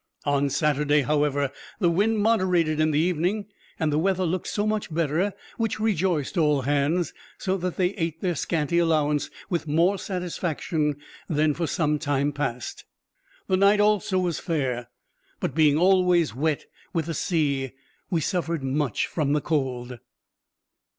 On Saturday, however, the wind moderated in the evening, and the weather looked much better, which rejoiced all hands, so that they ate their scanty allowance with more satisfaction than for some time past. The night also was fair; but being always wet with the sea, we suffered much from the cold.